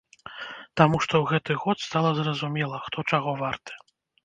Таму што ў гэты год стала зразумела, хто чаго варты.